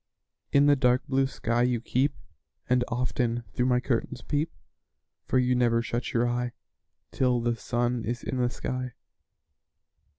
In the dark blue sky you keep, And often through my curtains peep; For you never shut your eye Till the sun is in the sky.